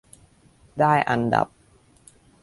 ได้อันดับ